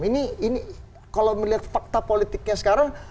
ini kalau melihat fakta politiknya sekarang